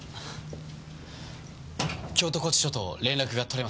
京都拘置所と連絡が取れました。